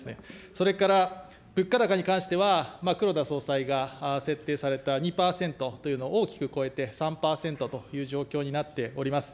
それから、物価高に関しては、黒田総裁が設定された、２％というのを大きく超えて、３％という状況になっております。